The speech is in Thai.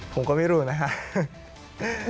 ผมก็ไม่รู้นะครับ